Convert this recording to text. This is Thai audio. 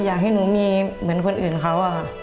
อยากให้หนูมีเหมือนคนอื่นเขาอะค่ะ